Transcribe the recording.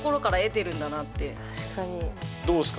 どうですか？